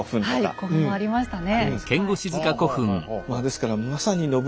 はい古墳もありましたね。